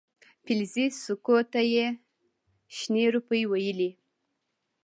فلزي سکو ته یې شنې روپۍ ویلې.